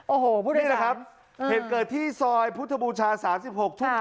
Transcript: โอ้โหพูดได้สามนี่แหละครับเห็นเกิดที่ซอยพุทธบูชาสามสิบหก